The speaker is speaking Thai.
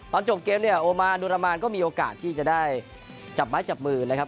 ตอนจบเกมเนี่ยโอมานดุรมานก็มีโอกาสที่จะได้จับไม้จับมือนะครับ